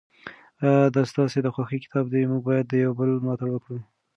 آیا دا ستاسو د خوښې کتاب دی؟ موږ باید د یو بل ملاتړ وکړو.